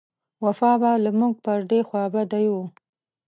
وفا به له موږ پر دې خوابدۍ و.